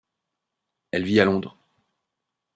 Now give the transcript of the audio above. Elle vit à Londres.